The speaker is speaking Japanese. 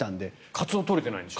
カツオが取れてないんでしょ？